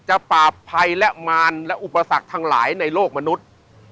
ปราบภัยและมารและอุปสรรคทั้งหลายในโลกมนุษย์